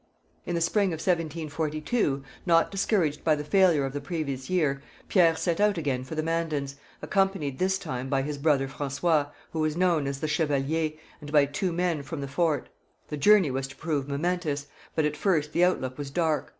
In the spring of 1742, not discouraged by the failure of the previous year, Pierre set out again for the Mandans, accompanied this time by his brother François, who was known as the Chevalier, and by two men from the fort. The journey was to prove momentous, but at first the outlook was dark.